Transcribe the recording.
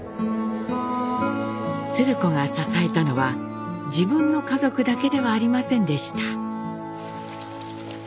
鶴子が支えたのは自分の家族だけではありませんでした。